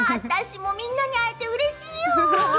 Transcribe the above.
私もみんなに会えてうれしいよ。